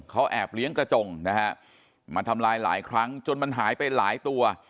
เขาแอบเลี้ยงกระจงนะฮะมาทำลายหลายครั้งจนมันหายไปหลายตัว